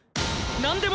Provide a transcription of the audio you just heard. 何でも！